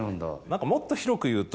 もっと広く言うと。